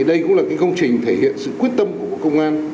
đây cũng là công trình thể hiện sự quyết tâm của công an